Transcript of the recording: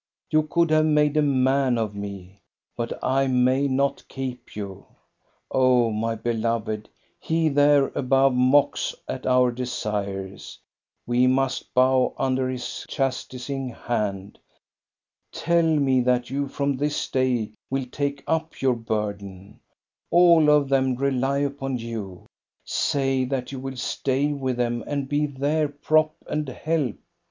You could have made a man of me, but I may not keep you. Oh, my beloved ! He there above mocks at our desires. We must bow under His chastising hand. Tell me that you. from this day will take up your burden ! All of them rely upon you. Say that you will stay with them and be their prop and help!